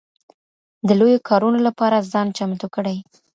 د لویو کارونو لپاره ځان چمتو کړئ.